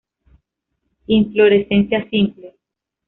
Inflorescencia simple.